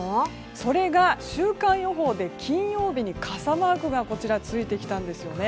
それが、週間予報で金曜日に傘マークがついてきたんですよね